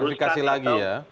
klarifikasi lagi ya